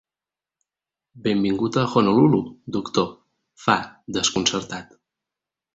Benvingut a Honolulu, doctor —fa, desconcertat—.